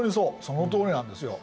そのとおりなんですよ。